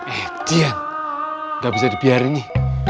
eh diam gak bisa dibiarin nih